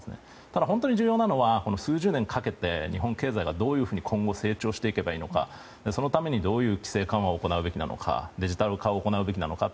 ただ、本当に重要なのは数十年かけて日本経済がどういうふうに今後、成長していけばいいのかそのためにどういう規制緩和を行うべきなのかデジタル化を行うべきなのか。